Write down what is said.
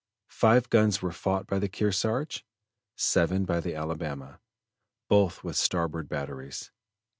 Five guns were fought by the Kearsarge, seven by the Alabama, both with the starboard batteries.